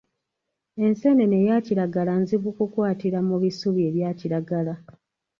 Enseenene eya kiragala nzibu okukwatira mu bisubi ebya kiragala.